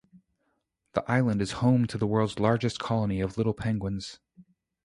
The island is home to the world's largest colony of little penguins.